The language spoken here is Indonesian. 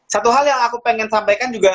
satu hal yang aku pengen sampaikan juga